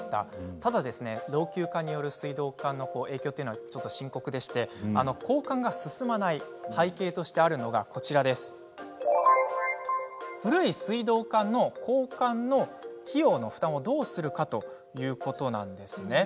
ただ老朽化による水道管の影響は深刻でして交換が進まない背景としてあるのが古い水道管の交換の費用の負担をどうするかということなんですね。